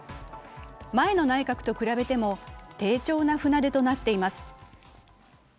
前の内閣と比べても低調な船出となっています。